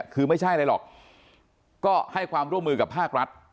คือไม่ใช่อะไรหรอกก็ให้ความร่วมมือกับภาครัฐ